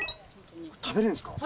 食べれるんですか？